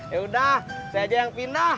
yaudah saya aja yang pindah